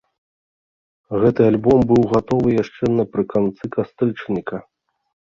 Гэты альбом быў гатовы яшчэ напрыканцы кастрычніка.